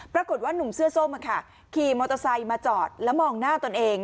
ปรากฏว่านุ่มเสื้อส้มขี่มอเตอร์ไซค์มาจอดแล้วมองหน้าตนเอง